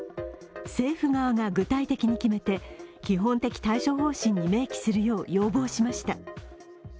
政府側が具体的に決めて基本的対処方針に明記するよう要望しました。